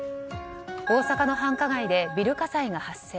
大阪の繁華街でビル火災が発生。